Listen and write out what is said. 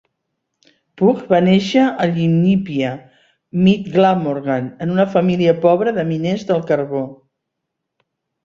Pugh va néixer a Llwynypia, Mid Glamorgan, en una família pobra de miners del carbó.